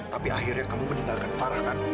tapi akhirnya kamu meninggalkan farah kan